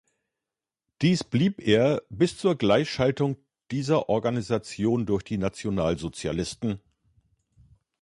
Dies blieb er bis zur Gleichschaltung dieser Organisation durch die Nationalsozialisten.